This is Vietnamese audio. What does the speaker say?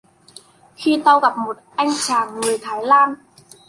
Khi tao gặp một anh chàng người Thái Lan